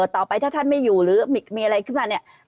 ต่อไปถ้าท่านไม่อยู่หรือมีอะไรขึ้นมาเนี่ย